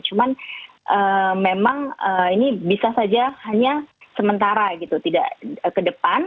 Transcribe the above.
cuman memang ini bisa saja hanya sementara gitu tidak ke depan